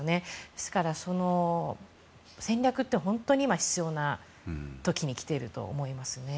ですから、戦略って本当にいま必要な時に来ていると思いますね。